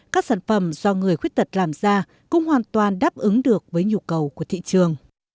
các sản phẩm do người khuyết tật làm ra cũng hoàn toàn đáp ứng được với nhu cầu của thị trường